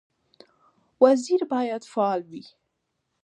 وزیر باید فعال وي